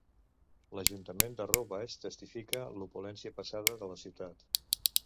L'ajuntament de Roubaix testifica l'opulència passada de la ciutat.